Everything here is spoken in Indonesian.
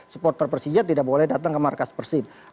supporter persija tidak boleh datang ke markas persib